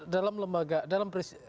dalam lembaga dalam